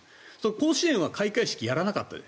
甲子園は開会式をやらなかった。